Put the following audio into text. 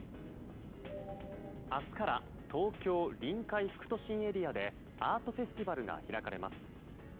明日から東京・臨海副都心エリアでアートフェスティバルが開かれます。